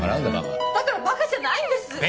だからバカじゃないんです！